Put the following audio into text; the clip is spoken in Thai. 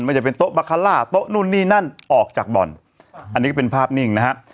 จะเป็นโต๊ะบาคาร่าโต๊ะนู่นนี่นั่นออกจากบ่อนอันนี้ก็เป็นภาพนิ่งนะฮะ